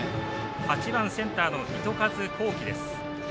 ８番センターの糸数幸輝です。